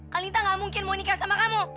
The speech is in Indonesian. kalita gak mungkin mau nikah sama kamu